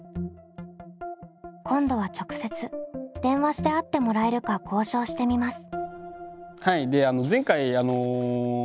今度は直接電話して会ってもらえるか交渉してみます。